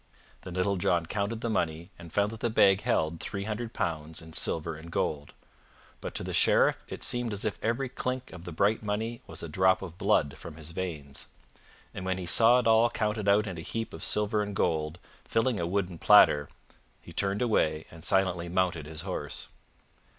Then Little John counted the money and found that the bag held three hundred pounds in silver and gold. But to the Sheriff it seemed as if every clink of the bright money was a drop of blood from his veins. And when he saw it all counted out in a heap of silver and gold, filling a wooden platter, he turned away and silently mounted his horse.